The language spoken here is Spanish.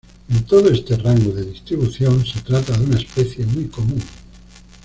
En todo este rango de distribución se trata de una especie muy común.